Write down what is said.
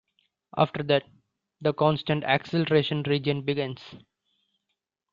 After that, the constant acceleration region begins.